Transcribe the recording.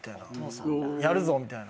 やるぞみたいな。